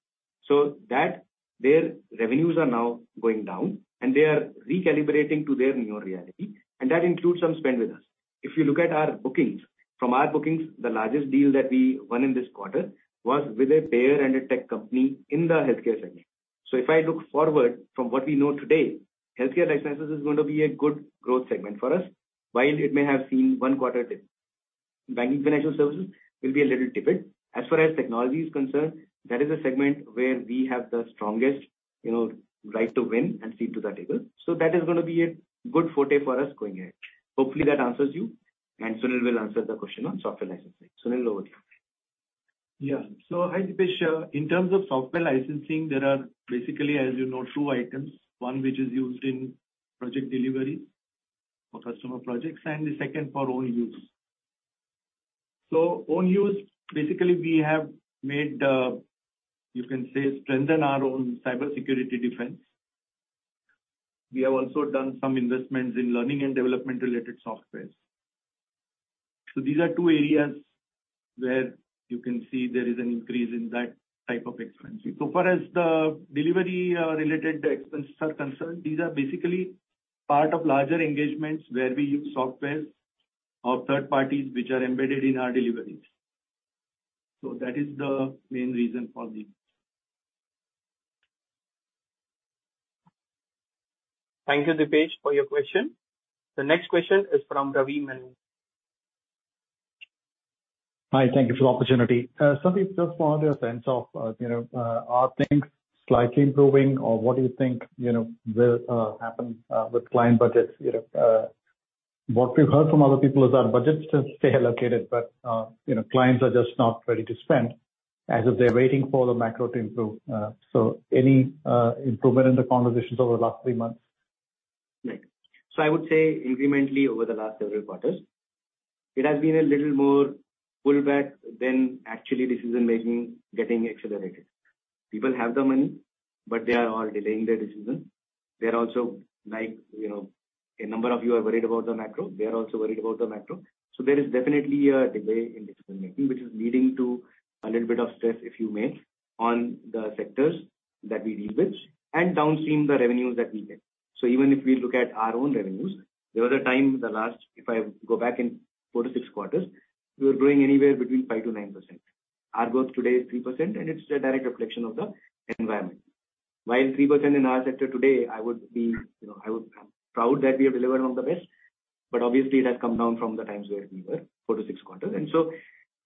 That, their revenues are now going down, and they are recalibrating to their new reality, and that includes some spend with us. If you look at our bookings, from our bookings, the largest deal that we won in this quarter was with a payer and a tech company in the healthcare segment. If I look forward from what we know today, healthcare licenses is going to be a good growth segment for us, while it may have seen one quarter dip. Banking financial services will be a little tepid. As far as technology is concerned, that is a segment where we have the strongest, you know, right to win and seat to the table. That is going to be a good forte for us going ahead. Hopefully, that answers you, and Sunil will answer the question on software licensing. Sunil, over to you. Yeah. Hi, Dipesh. In terms of software licensing, there are basically, as you know, two items: one, which is used in project delivery for customer projects, and the second for own use. Own use, basically, we have made, you can say, strengthen our own cybersecurity defense. We have also done some investments in learning and development-related softwares. These are two areas where you can see there is an increase in that type of expenses. Far as the delivery related expenses are concerned, these are basically part of larger engagements where we use softwares or third parties which are embedded in our deliveries. That is the main reason for this. Thank you, Dipesh, for your question. The next question is from Ravi Menon. Hi, thank you for the opportunity. Sandeep, just wanted a sense of, you know, are things slightly improving or what do you think, you know, will happen with client budgets? You know, what we've heard from other people is that budgets stay allocated, but, you know, clients are just not ready to spend as if they're waiting for the macro to improve. Any improvement in the conversations over the last three months? Right. I would say incrementally over the last several quarters, it has been a little more pullback than actually decision-making getting accelerated. People have the money, but they are all delaying their decision. They're also like, you know, a number of you are worried about the macro. They are also worried about the macro. There is definitely a delay in decision-making, which is leading to a little bit of stress, if you may, on the sectors that we deal with and downstream the revenues that we get. Even if we look at our own revenues, there was a time in the last... If I go back in 4 to 6 quarters, we were growing anywhere between 5%-9%. Our growth today is 3%, and it's a direct reflection of the environment. While 3% in our sector today, I would be, you know, I would be proud that we have delivered one of the best. Obviously it has come down from the times where we were 4-6 quarters.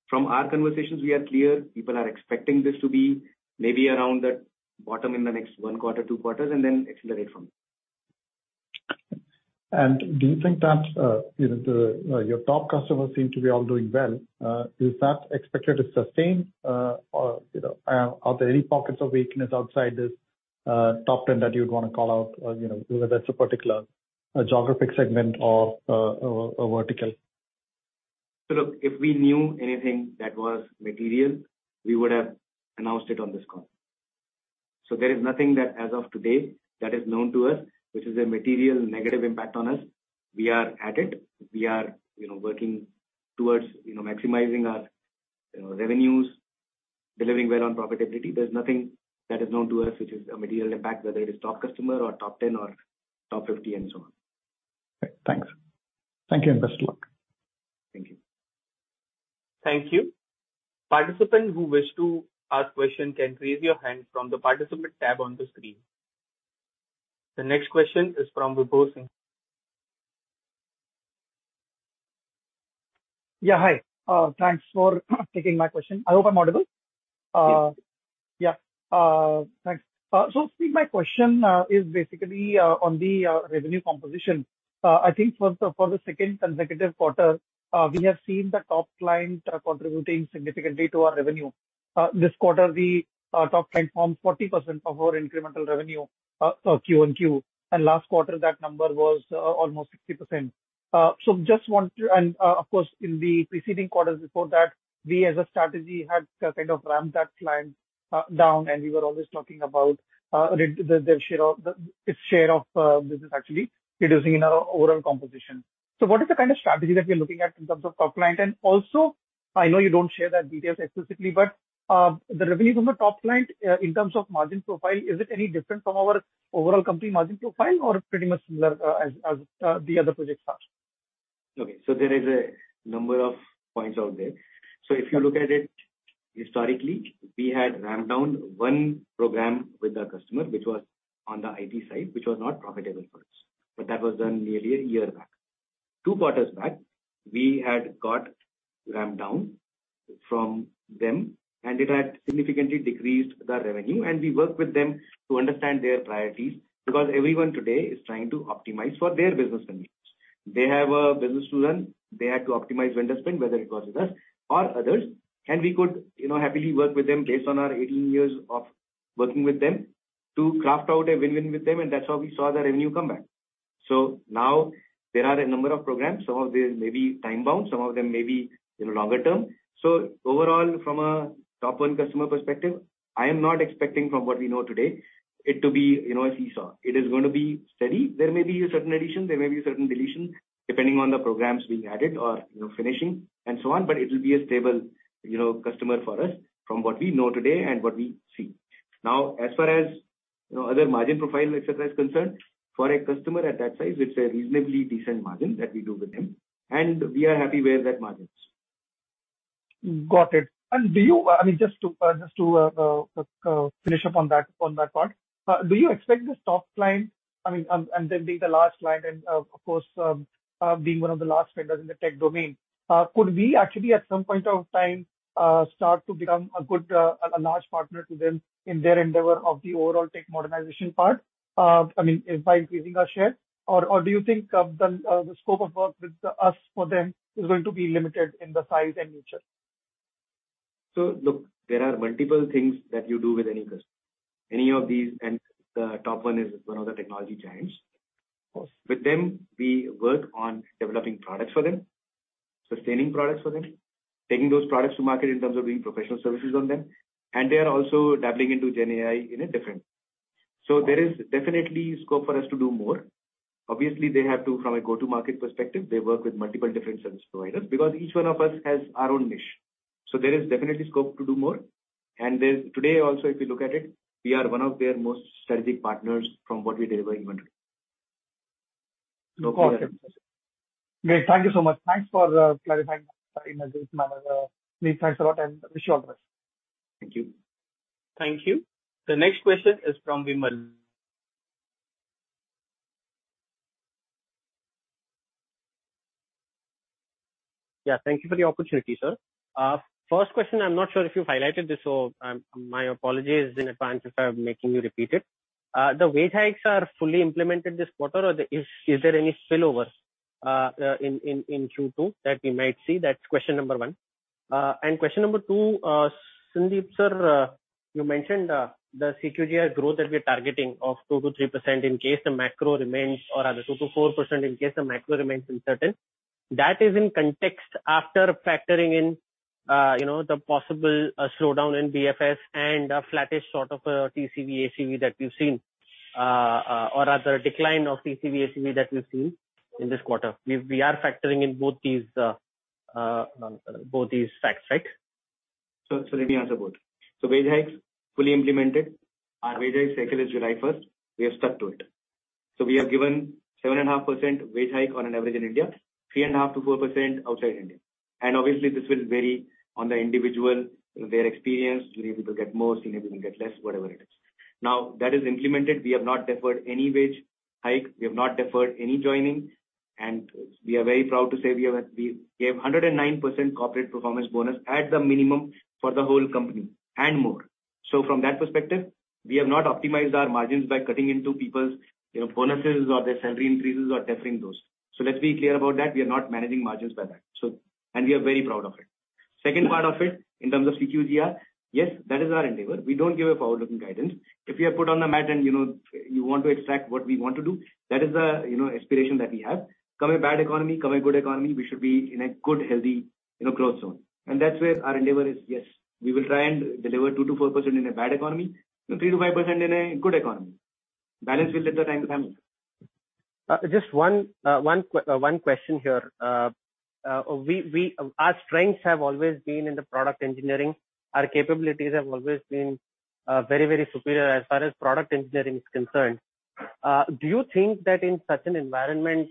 From our conversations, we are clear. People are expecting this to be maybe around that bottom in the next 1 quarter, 2 quarters, and then accelerate from there. Do you think that, you know, the, your top customers seem to be all doing well? Is that expected to sustain, or, you know, are there any pockets of weakness outside this, top 10 that you'd want to call out, you know, whether that's a particular geographic segment or, a vertical? Look, if we knew anything that was material, we would have announced it on this call. There is nothing that as of today, that is known to us, which is a material negative impact on us. We are at it. We are, you know, working towards, you know, maximizing our, you know, revenues, delivering well on profitability. There's nothing that is known to us, which is a material impact, whether it is top customer or top 10 or top 50, and so on. Okay. Thanks. Thank you, and best of luck. Thank you. Thank you. Participants who wish to ask questions can raise your hand from the participant tab on the screen. The next question is from Vipul Singh. Yeah, hi. Thanks for taking my question. I hope I'm audible? Yeah, thanks. See, my question is basically on the revenue composition. I think for the second consecutive quarter, we have seen the top client contributing significantly to our revenue. This quarter, the top client forms 40% of our incremental revenue, Q and Q, and last quarter, that number was almost 60%. Of course, in the preceding quarters before that, we as a strategy had kind of ramped that client down, and we were always talking about its share of business actually reducing in our overall composition. What is the kind of strategy that we are looking at in terms of top client? Also, I know you don't share that details explicitly, but, the revenues from the top client, in terms of margin profile, is it any different from our overall company margin profile or pretty much similar, as the other projects are? Okay, there is a number of points out there. If you look at it historically, we had ramped down one program with our customer, which was on the IT side, which was not profitable for us, but that was done nearly a year back. Two quarters back, we had got ramped down from them, and it had significantly decreased the revenue, and we worked with them to understand their priorities, because everyone today is trying to optimize for their business needs. They have a business to run. They have to optimize vendor spend, whether it was with us or others, and we could, you know, happily work with them based on our 18 years of working with them to craft out a win-win with them, and that's how we saw the revenue come back. Now there are a number of programs. Some of them may be time-bound, some of them may be, you know, longer term. Overall, from a top one customer perspective, I am not expecting from what we know today, it to be, you know, a seesaw. It is going to be steady. There may be a certain addition, there may be a certain deletion, depending on the programs being added or, you know, finishing and so on, but it will be a stable, you know, customer for us from what we know today and what we see. As far as, you know, other margin profile, etc, is concerned, for a customer at that size, it's a reasonably decent margin that we do with them, and we are happy where that margin is. Got it. Do you, I mean, just to finish up on that part, do you expect this top client, I mean, and them being the large client and, of course, being one of the large vendors in the tech domain, could we actually, at some point of time, start to become a good, a large partner to them in their endeavor of the overall tech modernization part? I mean, by increasing our share, or do you think the scope of work with us for them is going to be limited in the size and nature? Look, there are multiple things that you do with any customer, any of these, and the top one is one of the technology giants. Of course. With them, we work on developing products for them, sustaining products for them, taking those products to market in terms of doing professional services on them. They are also dabbling into GenAI in a different. There is definitely scope for us to do more. Obviously, they have to, from a go-to-market perspective, they work with multiple different service providers because each one of us has our own niche. There is definitely scope to do more. Today also, if you look at it, we are one of their most strategic partners from what we deliver in one day. Got it. Great, thank you so much. Thanks for clarifying that. Thanks a lot and wish you all the best. Thank you. Thank you. The next question is from Vimal. Thank you for the opportunity, sir. First question, I'm not sure if you highlighted this, so, my apologies in advance if I'm making you repeat it. The wage hikes are fully implemented this quarter, or is there any spillovers in Q2 that we might see? That's question number one. Question number two, Sandeep, sir, you mentioned the CQGR growth that we are targeting of 2%-3% in case the macro remains, or rather 2%-4% in case the macro remains uncertain. That is in context after factoring in, you know, the possible slowdown in BFSI and a flattish sort of, TCV, ACV that we've seen, or rather, decline of TCV, ACV that we've seen in this quarter. We are factoring in both these facts, right? Let me answer both. Wage hikes, fully implemented. Our wage hike cycle is July 1st. We have stuck to it. We have given 7.5% wage hike on an average in India, 3.5%-4% outside India. Obviously, this will vary on the individual, their experience. Some people get more, some people get less, whatever it is. Now, that is implemented. We have not deferred any wage hike. We have not deferred any joining, and we are very proud to say we gave 109% corporate performance bonus at the minimum for the whole company, and more. From that perspective, we have not optimized our margins by cutting into people's, you know, bonuses or their salary increases or deferring those. Let's be clear about that, we are not managing margins by that. We are very proud of it. Second part of it, in terms of CQGR, yes, that is our endeavor. We don't give a forward-looking guidance. If you have put on the mat and, you know, you want to extract what we want to do, that is the, you know, aspiration that we have. Come a bad economy, come a good economy, we should be in a good, healthy, you know, growth zone. That's where our endeavor is, yes. We will try and deliver 2%-4% in a bad economy and 3%-5% in a good economy. Balance will let the time come. Just one question here. Our strengths have always been in the product engineering. Our capabilities have always been, very superior as far as product engineering is concerned. Do you think that in such an environment,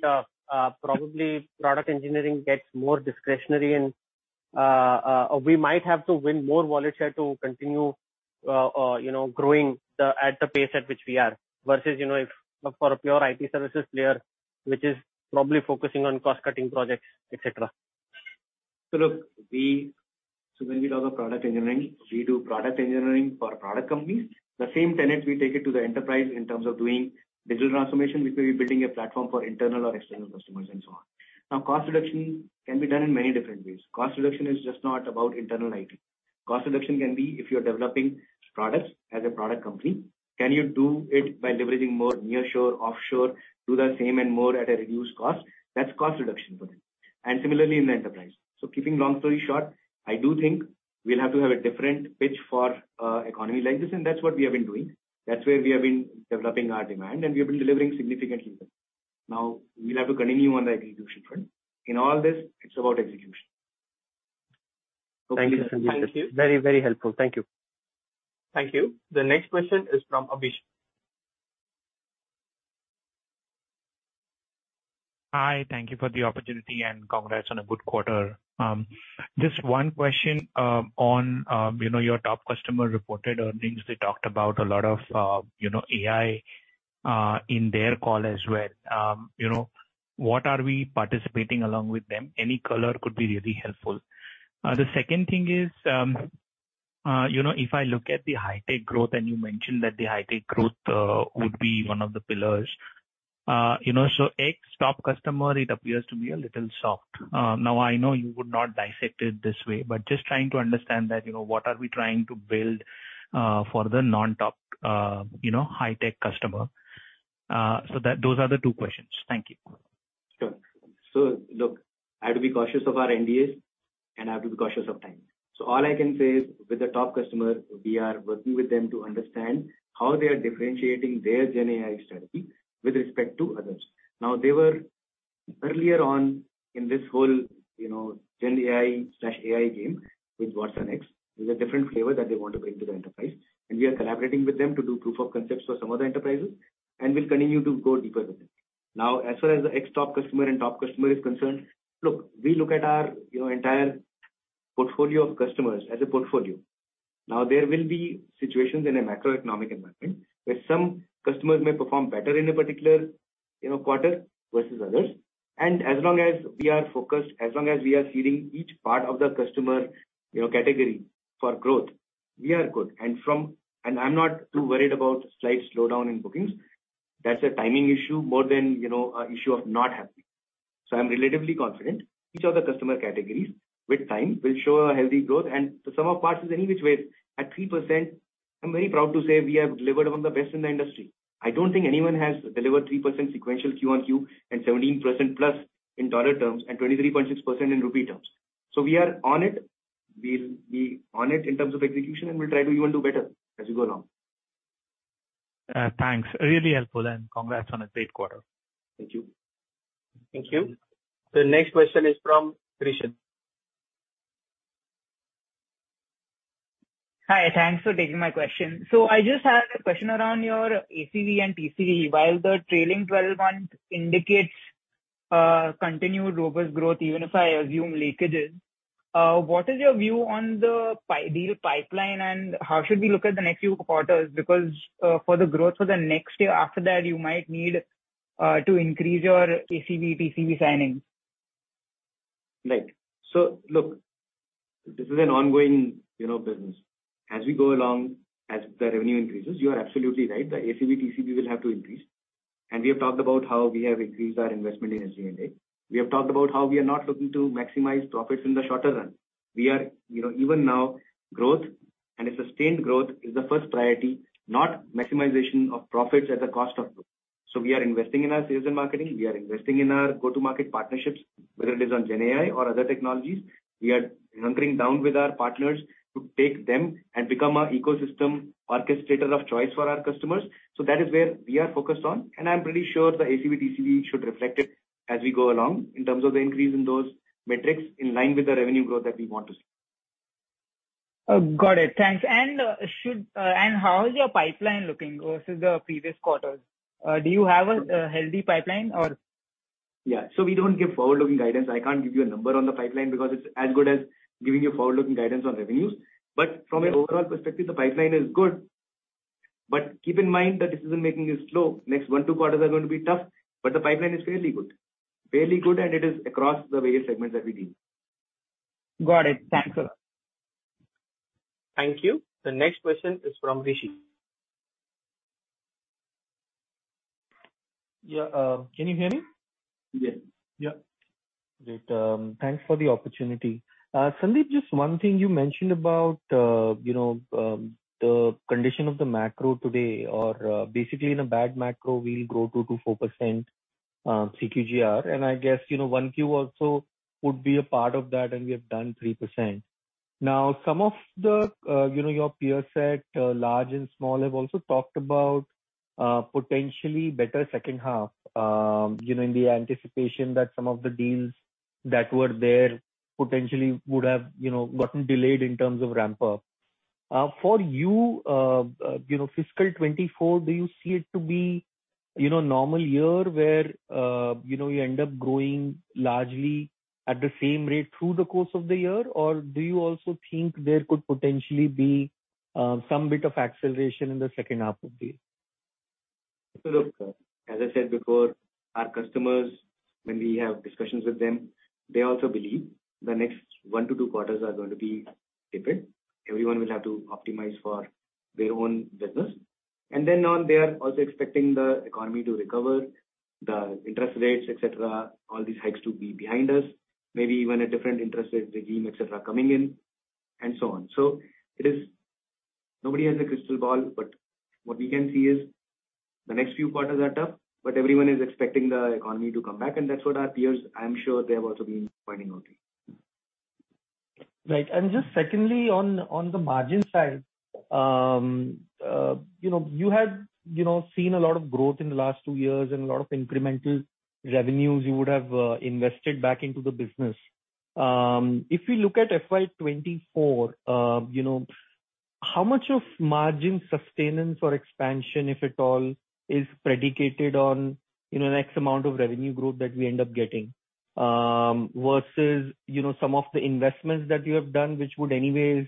probably product engineering gets more discretionary and we might have to win more wallet share to continue, you know, growing the at the pace at which we are, versus, you know, if for a pure IT services player, which is probably focusing on cost-cutting projects, etc? When we talk of product engineering, we do product engineering for product companies. The same tenant, we take it to the enterprise in terms of doing digital transformation, which may be building a platform for internal or external customers and so on. Cost reduction can be done in many different ways. Cost reduction is just not about internal IT. Cost reduction can be if you're developing products as a product company, can you do it by leveraging more nearshore, offshore, do the same and more at a reduced cost? That's cost reduction for them, and similarly in the enterprise. Keeping long story short, I do think we'll have to have a different pitch for economy like this, and that's what we have been doing. That's where we have been developing our demand, and we have been delivering significantly. Now, we'll have to continue on the execution front. In all this, it's about execution. Thank you, Sandeep. Thank you. Very, very helpful. Thank you. Thank you. The next question is from Abhishek. Hi, thank you for the opportunity. Congrats on a good quarter. Just one question on, you know, your top customer reported earnings. They talked about a lot of, you know, AI in their call as well. You know, what are we participating along with them? Any color could be really helpful. The second thing is, you know, if I look at the high tech growth, and you mentioned that the high tech growth would be one of the pillars. You know, so X top customer, it appears to be a little soft. Now, I know you would not dissect it this way, but just trying to understand that, you know, what are we trying to build for the non-top, you know, high tech customer? Those are the two questions. Thank you. Sure. Look, I have to be cautious of our NDAs, and I have to be cautious of time. All I can say is, with the top customer, we are working with them to understand how they are differentiating their GenAI strategy with respect to others. They were earlier on in this whole, you know, GenAI/AI game with watsonx, with a different flavor that they want to bring to the enterprise. We are collaborating with them to do proof of concepts for some other enterprises, and we'll continue to go deeper with it. As far as the X top customer and top customer is concerned, look, we look at our, you know, entire portfolio of customers as a portfolio. There will be situations in a macroeconomic environment where some customers may perform better in a particular, you know, quarter versus others. As long as we are focused, as long as we are seeding each part of the customer, you know, category for growth, we are good. I'm not too worried about slight slowdown in bookings. That's a timing issue more than, you know, issue of not happy. I'm relatively confident each of the customer categories, with time, will show a healthy growth. The sum of parts is any which way, at 3%, I'm very proud to say we have delivered among the best in the industry. I don't think anyone has delivered 3% sequential Q-on-Q and 17%+ in $ terms and 23.6% in INR terms. We are on it. We're on it in terms of execution, and we'll try to even do better as we go along. Thanks. Really helpful, and congrats on a great quarter. Thank you. Thank you. The next question is from Krishan. Hi, thanks for taking my question. I just had a question around your ACV and TCV. While the trailing 12 months indicates continued robust growth, even if I assume leakages, what is your view on the deal pipeline, and how should we look at the next few quarters? For the growth for the next year after that, you might need to increase your ACV, TCV signings. Right. Look, this is an ongoing, you know, business. As we go along, as the revenue increases, you are absolutely right, the ACV, TCV will have to increase. We have talked about how we have increased our investment in SG&A. We have talked about how we are not looking to maximize profits in the shorter run. We are, you know, even now, growth and a sustained growth is the first priority, not maximization of profits at the cost of growth. We are investing in our sales and marketing, we are investing in our go-to-market partnerships, whether it is on GenAI or other technologies. We are hunkering down with our partners to take them and become our ecosystem orchestrator of choice for our customers. That is where we are focused on, and I'm pretty sure the ACV, TCV should reflect it as we go along in terms of the increase in those metrics in line with the revenue growth that we want to see. got it. Thanks. How is your pipeline looking versus the previous quarters? Do you have a healthy pipeline or? Yeah, we don't give forward-looking guidance. I can't give you a number on the pipeline because it's as good as giving you forward-looking guidance on revenues. From an overall perspective, the pipeline is good. Keep in mind, the decision-making is slow. Next one, two quarters are going to be tough, but the pipeline is fairly good. Fairly good, it is across the various segments that we deal. Got it. Thanks a lot. Thank you. The next question is from Rishi. Yeah, can you hear me? Yes. Yeah. Great, thanks for the opportunity. Sandeep, just one thing you mentioned about, you know, the condition of the macro today, or, basically in a bad macro, we'll grow 2%-4%, CQGR. I guess, you know, 1Q also would be a part of that, and we have done 3%. Now, some of the, you know, your peer set, large and small, have also talked about, potentially better second half. You know, in the anticipation that some of the deals that were there potentially would have, you know, gotten delayed in terms of ramp-up. For you know, fiscal 2024, do you see it to be, you know, normal year where, you know, you end up growing largely at the same rate through the course of the year? Do you also think there could potentially be some bit of acceleration in the second half of the year? Look, as I said before, our customers, when we have discussions with them, they also believe the next 1-2 quarters are going to be different. Everyone will have to optimize for their own business. Then on, they are also expecting the economy to recover, the interest rates, etc, all these hikes to be behind us, maybe even a different interest rate regime, etc, coming in, and so on. Nobody has a crystal ball, but what we can see is the next few quarters are tough, but everyone is expecting the economy to come back, and that's what our peers, I'm sure, they have also been pointing out. Right. Just secondly, on the margin side, you know, you had, you know, seen a lot of growth in the last two years and a lot of incremental revenues you would have invested back into the business. If we look at FY24, you know, how much of margin sustenance or expansion, if at all, is predicated on, you know, X amount of revenue growth that we end up getting, versus, you know, some of the investments that you have done, which would anyways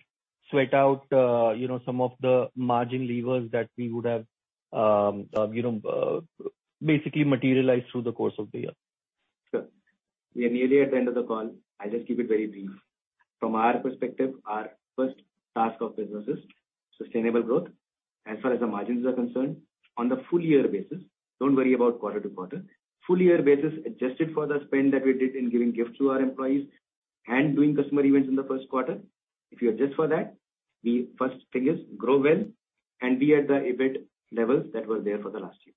sweat out, you know, some of the margin levers that we would have, you know, basically materialized through the course of the year? Sure. We are nearly at the end of the call. I'll just keep it very brief. From our perspective, our first task of business is sustainable growth. As far as the margins are concerned, on the full year basis, don't worry about quarter to quarter. Full year basis, adjusted for the spend that we did in giving gifts to our employees and doing customer events in the first quarter. If you adjust for that, the first thing is grow well and be at the EBIT levels that were there for the last year.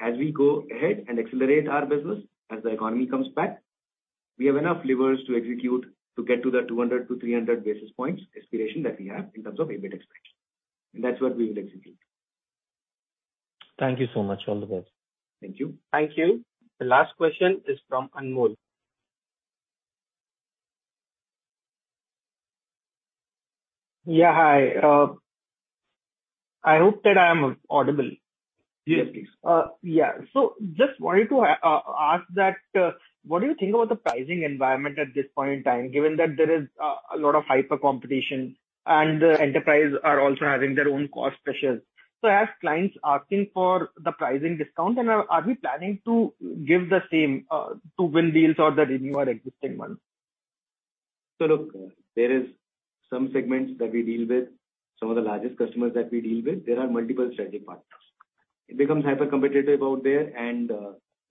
As we go ahead and accelerate our business, as the economy comes back, we have enough levers to execute to get to the 200-300 basis points aspiration that we have in terms of EBIT expansion. That's what we will execute. Thank you so much. All the best. Thank you. Thank you. The last question is from Anmol. Yeah, hi. I hope that I am audible. Yes, please. Yeah. Just wanted to ask that what do you think about the pricing environment at this point in time, given that there is a lot of hyper competition and the enterprise are also having their own cost pressures? As clients are asking for the pricing discount, and are we planning to give the same to win deals or the revenue or existing ones? look, there is some segments that we deal with, some of the largest customers that we deal with, there are multiple strategic partners. It becomes hyper competitive out there, and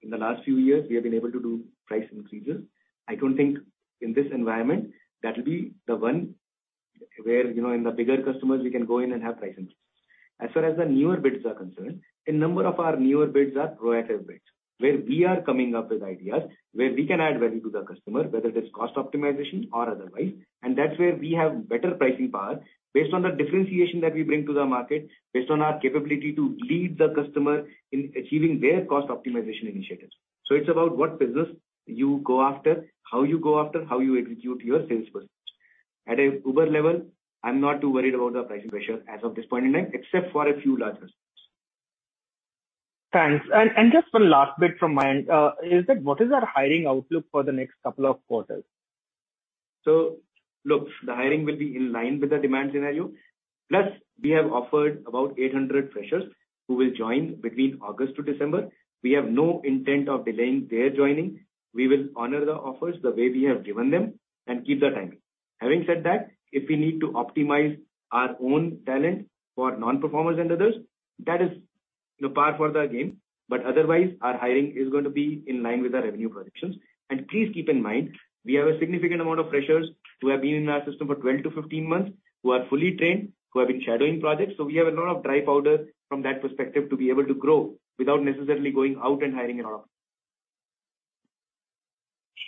in the last few years, we have been able to do price increases. I don't think in this environment that will be the one where, you know, in the bigger customers, we can go in and have price increases. As far as the newer bids are concerned, a number of our newer bids are proactive bids, where we are coming up with ideas, where we can add value to the customer, whether it is cost optimization or otherwise. That's where we have better pricing power, based on the differentiation that we bring to the market, based on our capability to lead the customer in achieving their cost optimization initiatives. It's about what business you go after, how you go after, how you execute your sales process. At a uber level, I'm not too worried about the pricing pressure as of this point in time, except for a few large customers. Thanks. Just one last bit from my end, is that what is our hiring outlook for the next couple of quarters? Look, the hiring will be in line with the demand scenario. Plus, we have offered about 800 freshers who will join between August to December. We have no intent of delaying their joining. We will honor the offers the way we have given them and keep the timing. Having said that, if we need to optimize our own talent for non-performers and others, that is the par for the game. Otherwise, our hiring is going to be in line with our revenue projections. Please keep in mind, we have a significant amount of freshers who have been in our system for 12 to 15 months, who are fully trained, who have been shadowing projects. We have a lot of dry powder from that perspective to be able to grow without necessarily going out and hiring an offer.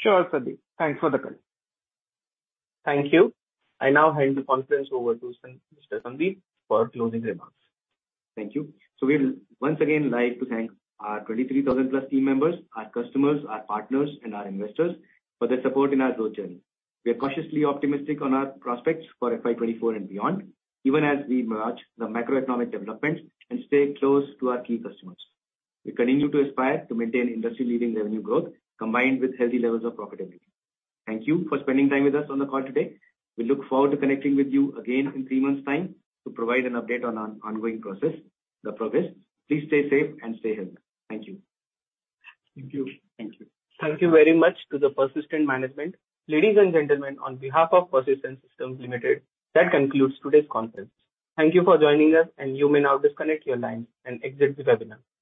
Sure, Sandeep. Thanks for the call. Thank you. I now hand the conference over to Mr. Sandeep for closing remarks. Thank you. We'd once again like to thank our 23,000+ team members, our customers, our partners, and our investors for their support in our growth journey. We are cautiously optimistic on our prospects for FY 2024 and beyond, even as we merge the macroeconomic developments and stay close to our key customers. We continue to aspire to maintain industry-leading revenue growth, combined with healthy levels of profitability. Thank you for spending time with us on the call today. We look forward to connecting with you again in 3 months' time to provide an update on our ongoing progress. Please stay safe and stay healthy. Thank you. Thank you. Thank you. Thank you very much to the Persistent management. Ladies and gentlemen, on behalf of Persistent Systems Limited, that concludes today's conference. Thank you for joining us, and you may now disconnect your line and exit the webinar. Bye.